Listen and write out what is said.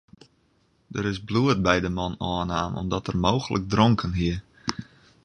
Der is bloed by de man ôfnaam om't er mooglik dronken hie.